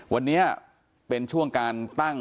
วันนี้เป็นช่วงการตั้ง